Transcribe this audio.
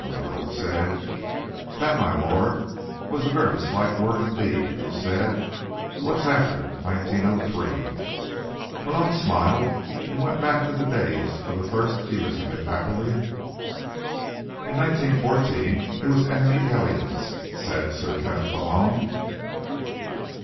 "Hmm," Malone said. "That, Milord, was a very slight word indeed," Lou said. "What's after 1903?" Malone smiled and went back to the days of the First Elizabeth happily. "In 1914, it was enemy aliens," said Sir Kenneth Malone.